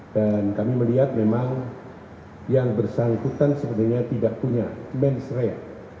dan kami melihat memang yang bersangkutan sebenarnya tidak punya mens rea